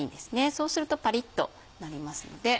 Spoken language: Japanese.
そうするとパリっとなりますので。